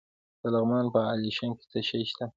د لغمان په علیشنګ کې څه شی شته؟